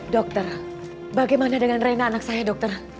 dokter bagaimana dengan reina anak saya dokter